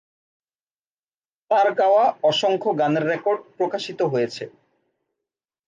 তার গাওয়া অসংখ্য গানের রেকর্ড প্রকাশিত হয়েছে।